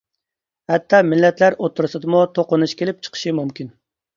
ھەتتا مىللەتلەر ئوتتۇرىسىدىمۇ توقۇنۇش كېلىپ چىقىشى مۇمكىن.